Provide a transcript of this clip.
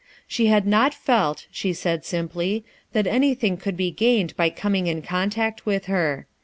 She had not felt, she said simply, that anything could be gained by coming in contact with her.